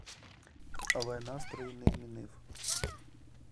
Але настрою не змінив.